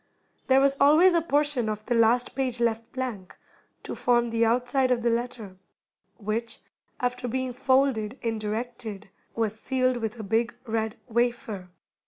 There was always a portion of the last page left blank, to form the outside of the letter, which, after being folded and directed, was sealed with a big red wafer.